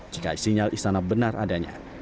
jika sinyal istana benar adanya